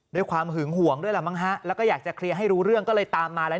ด้วยความหึงห่วงด้วยล่ะมั้งฮะแล้วก็อยากจะเคลียร์ให้รู้เรื่องก็เลยตามมาแล้ว